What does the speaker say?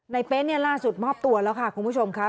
เป๊ะเนี่ยล่าสุดมอบตัวแล้วค่ะคุณผู้ชมค่ะ